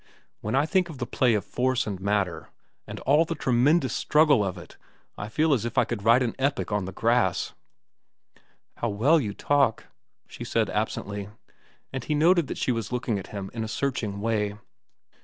When I think of the play of force and matter, and all the tremendous struggle of it, I feel as if I could write an epic on the grass. "How well you talk," she said absently, and he noted that she was looking at him in a searching way.